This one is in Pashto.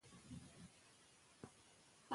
که لونګۍ ولرو نو وقار نه ځي.